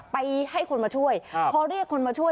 ไปให้คนมาช่วยพอเรียกคนมาช่วย